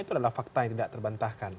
itu adalah fakta yang tidak terbantahkan